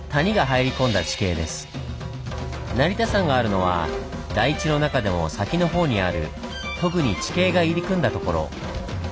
ここは成田山があるのは台地の中でも先の方にある特に地形が入り組んだ所。